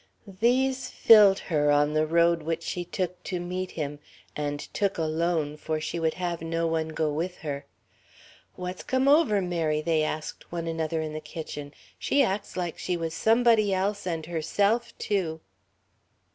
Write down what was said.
These filled her on the road which she took to meet him and took alone, for she would have no one go with her. ("What's come over Mary?" they asked one another in the kitchen. "She acts like she was somebody else and herself too.")